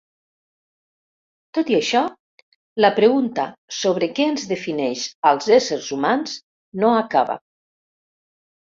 Tot i això, la pregunta sobre què ens defineix als éssers humans no acaba.